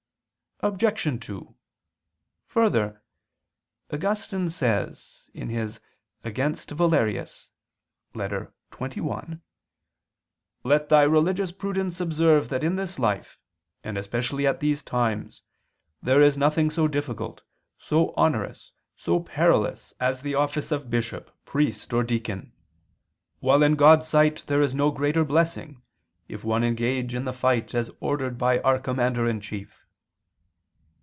Obj. 2: Further, Augustine says (ad Valerium, Ep. xxi): "Let thy religious prudence observe that in this life, and especially at these times, there is nothing so difficult, so onerous, so perilous as the office of bishop, priest, or deacon; while in God's sight there is no greater blessing, if one engage in the fight as ordered by our Commander in chief."